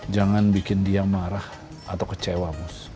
jangan bikin dia marah atau kecewa